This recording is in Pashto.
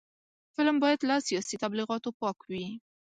فلم باید له سیاسي تبلیغاتو پاک وي